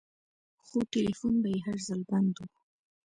خو ټېلفون به يې هر ځل بند و.